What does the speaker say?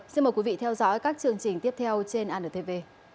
xin mời quý vị theo dõi các chương trình tiếp theo trên antv